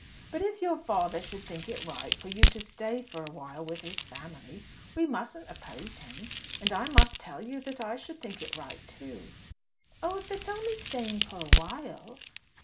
But if your father should think it right for you to stay for a while with his family, we mustn't oppose him. And I must tell you that I should think it right, too." "Oh, if it's only staying 'for a while'